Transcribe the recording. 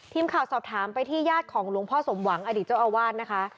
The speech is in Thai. ทีมข่าวสอบถามไปที่ญาติของหลวงพ่อสมหวังอดีตเจ้าอาวาสนะคะ